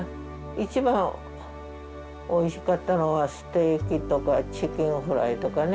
一番おいしかったのはステーキとかチキンフライとかね。